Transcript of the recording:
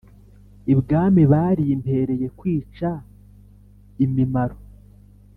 ibwami barimpereye kwica imimaro.